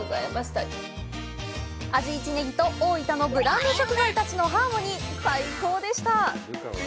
味一ねぎと大分のブランド食材たちのハーモニー最高でした！